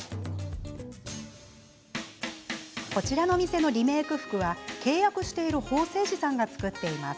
こちらの店のリメーク服は契約している縫製士さんが作っています。